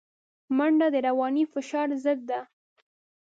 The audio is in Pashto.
منډه د رواني فشار ضد ده